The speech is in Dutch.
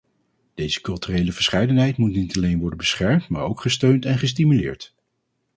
Deze culturele verscheidenheid moet niet alleen worden beschermd maar ook gesteund en gestimuleerd.